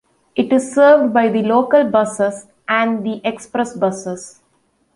It is served by the local buses and the express buses.